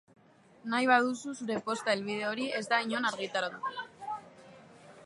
Nahi baduzu zure posta helbide hori ez da inon argitaratuko.